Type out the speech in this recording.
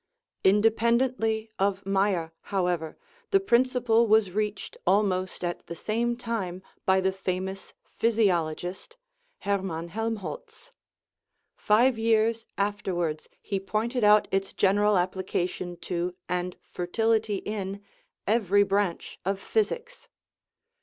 Independently of Mayer, however, the principle was reached almost at the same time by the famous physiologist, Hermann Helmholtz ; five years afterwards he pointed out its general appli cation to, and fertility in, every branch of physics.